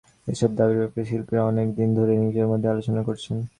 এসব দাবির ব্যাপারে শিল্পীরা অনেক দিন ধরেই নিজেদের মধ্যে আলোচনা করেছেন।